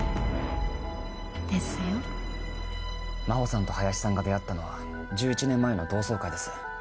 真帆さんと林さんが出会ったのは１１年前の同窓会です。